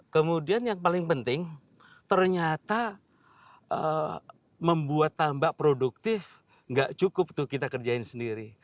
kemudian yang paling penting ternyata membuat tambak produktif nggak cukup tuh kita kerjain sendiri